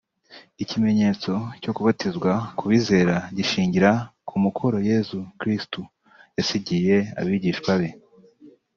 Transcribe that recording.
Ikimenyetso cyo kubatizwa ku bizera gishingira ku mukoro Yesu Kirisitu yasigiye abigishwa be